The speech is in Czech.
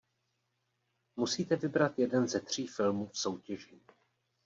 Musíte vybrat jeden ze tří filmů v soutěži.